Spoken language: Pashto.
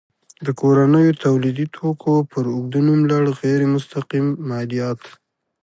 د کورنیو تولیدي توکو پر اوږده نوملړ غیر مستقیم مالیات.